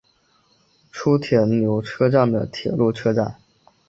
初田牛车站的铁路车站。